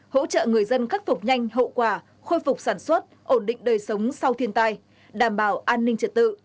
hỗ trợ người dân khắc phục nhanh hậu quả khôi phục sản xuất ổn định đời sống sau thiên tai đảm bảo an ninh trật tự